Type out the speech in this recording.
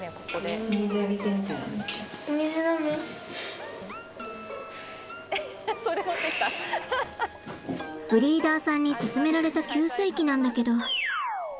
ブリーダーさんに勧められた給水器なんだけど。